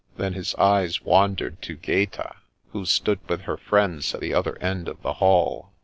Then his eyes wandered to Gaeta, who stood with her friends at the other end of the hall.